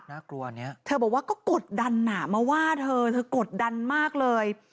น่ากลัวอันนี้เธอบอกว่าก็กดดันอ่ะมาว่าเธอเธอกดดันมากเลย